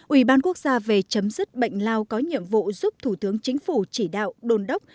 ủy ban quốc gia về chấm dứt bệnh lao có nhiệm vụ giúp thủ tướng chính phủ chỉ đạo đồn đốc